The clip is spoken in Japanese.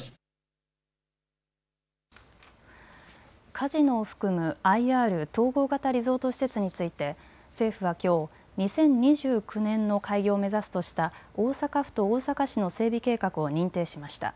カジノを含むＩＲ・統合型リゾート施設について政府はきょう２０２９年の開業を目指すとした大阪府と大阪市の整備計画を認定しました。